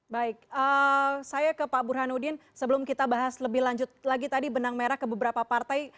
baik saya ke pak burhanuddin sebelum kita bahas lebih lanjut lagi tadi benang merah ke beberapa partai